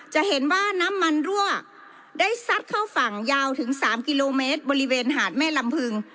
จะเห็นว่าน้ำมันรั่วได้ซัดเข้าฝั่งยาวถึง๓กิโลเมตรบริเวณหาดแม่ลำพึง